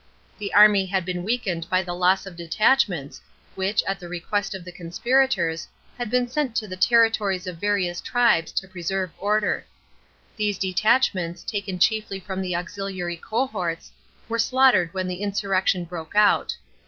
The army had been weakened by the loss of detachments, which, at the request of the conspirators, had been sent to the territories of various tribes to preserve order. These detachments, taken chiefly from the auxiliary cohorts, were slaughtered when the insurrection broke out.